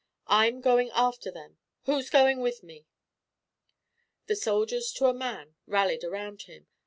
I'm going after them who's going with me?" The soldiers, to a man, rallied around him.